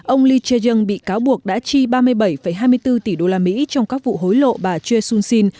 ông lee chae jung bị cáo buộc đã chi ba mươi bảy hai mươi bốn tỷ usd trong các vụ hối lộ bà choi soon sin